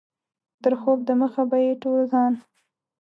تر خوب دمخه به یې ټول ځان.